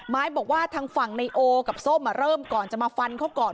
ไม้บอกว่าทางฝั่งในโอกับส้มเริ่มก่อนจะมาฟันเขาก่อน